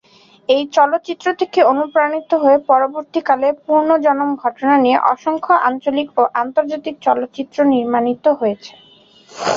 এই চলচ্চিত্র থেকে অনুপ্রাণিত হয়ে পরবর্তী কালে পুনর্জন্মের ঘটনা নিয়ে অসংখ্য আঞ্চলিক ও আন্তর্জাতিক চলচ্চিত্র নির্মিত হয়েছে।